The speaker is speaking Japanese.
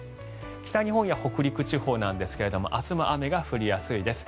北日本や北陸地方ですが明日も雨が降りやすいです。